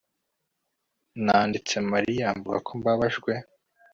Nanditse Mariya mvuga ko mbabajwe